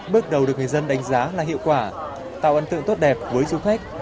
bước đầu được người dân đánh giá là hiệu quả tạo ấn tượng tốt đẹp với du khách